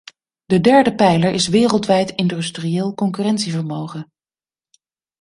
De derde pijler is wereldwijd industrieel concurrentievermogen.